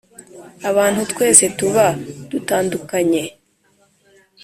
Abantu twese tuba dutandukanye